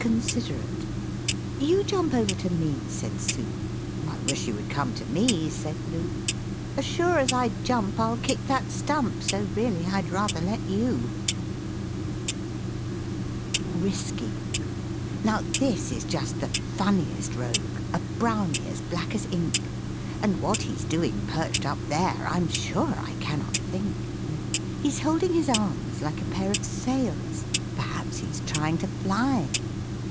CONSIDERATE "You jump over to me," said Sue. "I wish you would come to me," said Loo; "As sure as I jump I'll kick that stump, So really I'd rather let you." RISKY Now this is just the funniest rogue, A Brownie as black as ink, And what he's doing perched up there, I'm sure I cannot think. He's holding his arms like a pair of sails; Perhaps he's trying to fly.